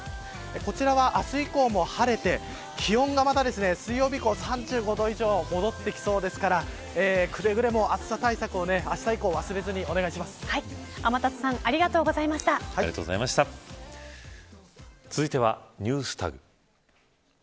こちらは明日以降も晴れて気温が、また水曜日以降３５度以上戻ってきそうですからくれぐれも暑さ対策あした以降忘れずに天達さん続いてはＮｅｗｓＴａｇ。